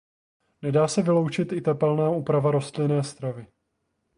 Nedá se vyloučit i tepelná úprava rostlinné stravy.